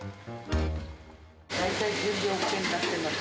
大体準備ＯＫになってます。